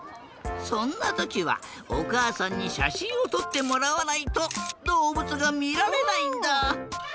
そんなときはおかあさんにしゃしんをとってもらわないとどうぶつがみられないんだ。